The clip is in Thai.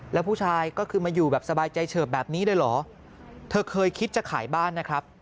แล้วผู้ชายก็คือมาอยู่แบบสบายใจเฉิบแบบนี้เลยเหรอเธอเคยคิดจะขายบ้านนะครับ